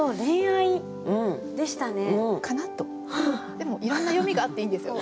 でもいろんな読みがあっていいんですよ。